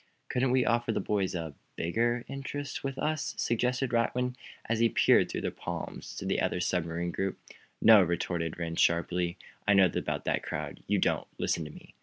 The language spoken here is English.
"Couldn't we offer the boys a bigger interest with us?" suggested Radwin, as he peered through the palms at the other submarine group. "No!" retorted Rhinds, sharply. "I know about that crowd. You don't. Listen to me."